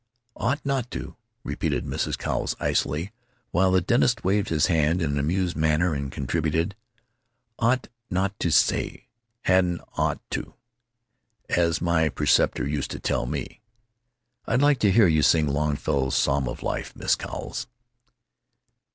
"'Ought not to,'" repeated Mrs. Cowles, icily, while the dentist waved his hand in an amused manner and contributed: "Ought not to say 'hadn't ought to,' as my preceptor used to tell me.... I'd like to hear you sing Longfellow's 'Psalm of Life,' Miss Cowles."